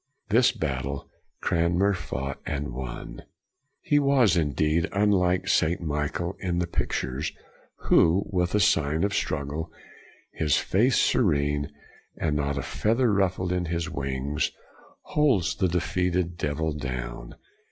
This battle, Cranmer fought and won. He was, indeed, unlike St. Michael in the pictures, who, without a sign of strug gle, his face serene, and not a feather ruffled in his wings, holds the defeated devil down.